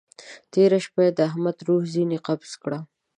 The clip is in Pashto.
تېره شپه يې د احمد روح ځينې قبض کړه.